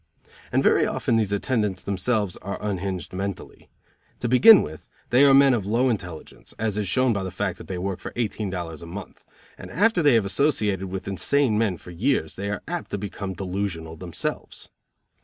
And very often these attendants themselves are unhinged mentally. To begin with, they are men of low intelligence, as is shown by the fact that they will work for eighteen dollars a month, and after they have associated with insane men for years they are apt to become delusional themselves.